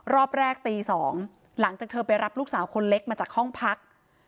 รอบแรกตี๒หลังจากเธอไปรับลูกสาวคนเล็กมาจากห้องพัก